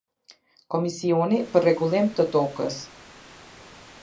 Komisioni për Rregullim të Tokës.